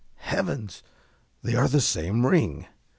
~ Heavens! They are the same ring!